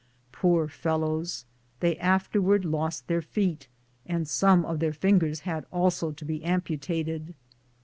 Poor fellows ! They af terwards lost their feet, and some of their fingers had also to be amputated.